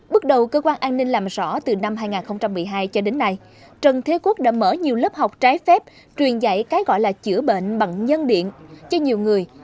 bước đầu cơ quan an ninh làm rõ từ năm hai nghìn một mươi hai cho đến nay trần thế quốc đã mở nhiều lớp học trái phép truyền dạy cái gọi là chữa bệnh bằng nhân điện cho nhiều người